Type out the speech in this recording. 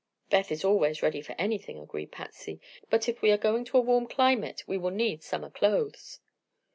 "Beth is always ready for anything," agreed Patsy. "But if we are going to a warm climate we will need summer clothes."